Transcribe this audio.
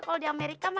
kalo di amerika mah